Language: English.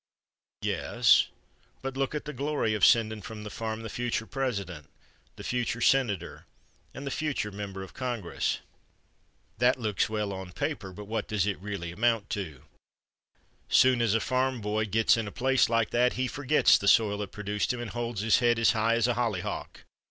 "Yes; but look at the glory of sending from the farm the future President, the future Senator and the future member of Congress." "That looks well on paper, but what does it really amount to? Soon as a farmer boy gits in a place like that he forgets the soil that produced him and holds his head as high as a holly hock.